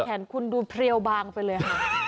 แขนคุณดูเพรียวบางไปเลยค่ะ